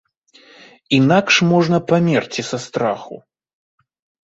Інакш можна памерці са страху.